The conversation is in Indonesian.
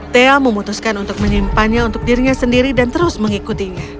thea memutuskan untuk menyimpannya untuk dirinya sendiri dan terus mengikutinya